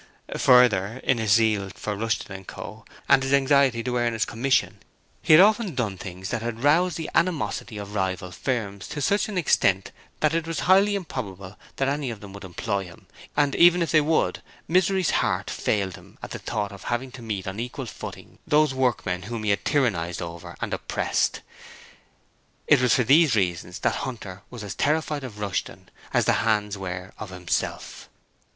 Further, in his zeal for Rushton & Co. and his anxiety to earn his commission, he had often done things that had roused the animosity of rival firms to such an extent that it was highly improbable that any of them would employ him, and even if they would, Misery's heart failed him at the thought of having to meet on an equal footing those workmen whom he had tyrannized over and oppressed. It was for these reasons that Hunter was as terrified of Rushton as the hands were of himself.